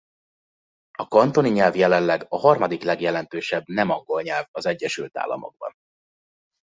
A kantoni nyelv jelenleg a harmadik legjelentősebb nem angol nyelv az Egyesült Államokban.